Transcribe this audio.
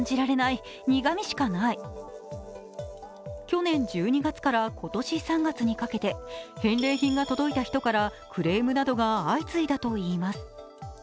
去年１２月から今年３月にかけて返礼品が届いた人からクレームなどが相次いだといいます。